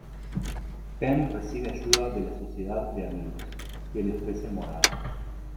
Penn recibe ayuda de la Sociedad de Amigos, que le ofrecen morada.